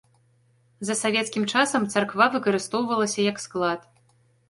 За савецкім часам царква выкарыстоўвалася як склад.